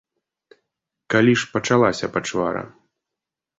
Калі ж пачалася пачвара?